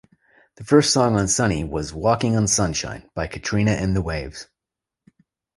The first song on "Sunny" was "Walking on Sunshine" by Katrina and the Waves.